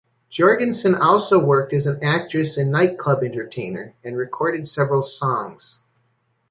Jorgensen also worked as an actress and nightclub entertainer and recorded several songs.